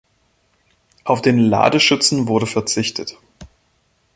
Auf den Ladeschützen wurde verzichtet.